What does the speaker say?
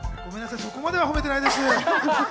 そこまでは褒めてないです。